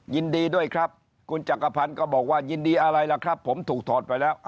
ยินดีด้วยครับคุณจักรพันธ์ก็บอกว่ายินดีอะไรล่ะครับผมถูกถอดไปแล้ว